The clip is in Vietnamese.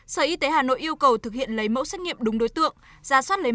sở y tế hà nội yêu cầu thực hiện lấy mẫu xét nghiệm đúng đối tượng